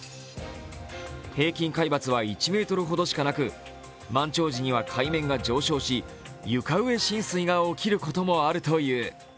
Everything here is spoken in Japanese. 平均海抜は１ｍほどしかなく満潮時には海面が上昇し、床上浸水が起きることもあるという。